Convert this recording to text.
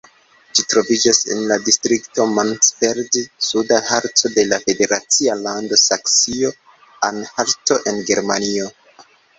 Ĝi troviĝas en la distrikto Mansfeld-Suda Harco de la federacia lando Saksio-Anhalto en Germanio.